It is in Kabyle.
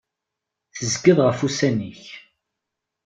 Tezgiḍ ɣef ussan-ik.